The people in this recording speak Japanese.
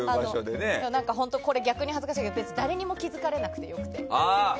本当に、これは逆に恥ずかしいけど誰にも気づかれなくて良くて。